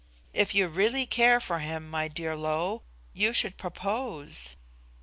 If you really care for him, my dear Lo, you should propose."